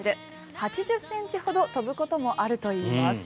８０ｃｍほど跳ぶこともあるといいます。